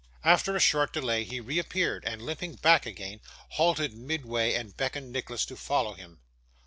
After a short delay, he reappeared, and limping back again, halted midway, and beckoned Nicholas to follow him.